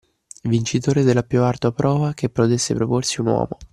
Vincitore della più ardua prova che potesse proporsi un uomo!